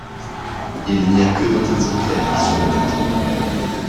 Il n'y a que vingt exemplaires qui soient répertoriés.